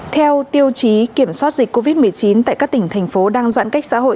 theo tiêu chí kiểm soát dịch covid một mươi chín tại các tỉnh thành phố đang giãn cách xã hội